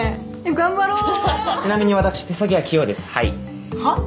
頑張ろうちなみに私手先は器用ですはいはあ？